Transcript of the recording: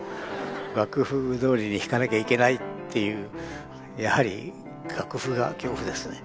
楽譜どおりに弾かなきゃいけないっていうやはり楽譜が恐怖ですね。